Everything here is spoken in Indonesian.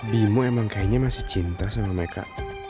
bimo emang kayaknya masih cinta sama mereka